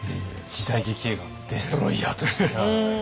時代劇映画のデストロイヤーとして。